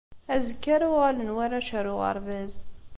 Azekka ara uɣalen warrac ar uɣerbaz.